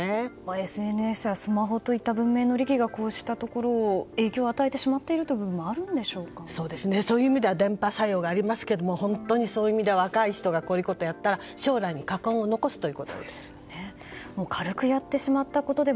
ＳＮＳやスマホといった文明の利器がこうした影響を与えてしまっている部分がそういう意味では伝播作用がありますが本当にそういう意味で若い人がこういうことをやったら黒いマスクに眼鏡をかけた男。